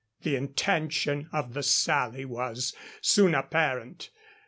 The intention of the Sally was soon apparent.